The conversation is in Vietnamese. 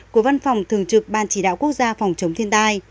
của văn phòng thường trực ban chỉ đạo quốc gia phòng chống thiên tai